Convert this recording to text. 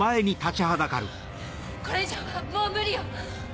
これ以上はもう無理よ！